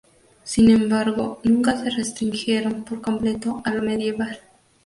Sin embargo, nunca se restringieron por completo a lo medieval.